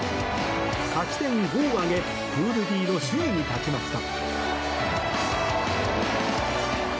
勝ち点５を挙げプールＤの首位に立ちました。